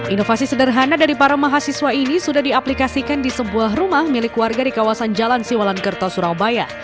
inovasi sederhana dari para mahasiswa ini sudah diaplikasikan di sebuah rumah milik warga di kawasan jalan siwalan kerto surabaya